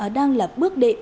đang là bước đệ